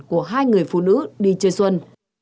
của hai người phụ nữ đi chơi xuân